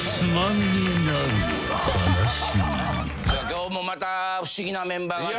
今日もまた不思議なメンバーが。